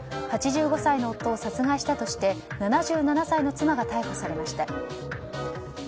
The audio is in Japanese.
８５歳の夫を殺害したとして７７歳の妻が逮捕されました。